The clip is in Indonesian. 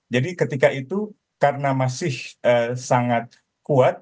jadi ketika itu karena masih sangat kuat